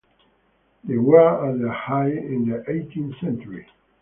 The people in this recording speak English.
They were at their height in the eighteenth century.